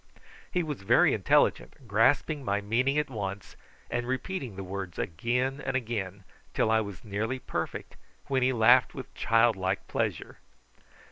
He was very intelligent, grasping my meaning at once, and repeating the words again and again, till I was nearly perfect, when he laughed with childlike pleasure.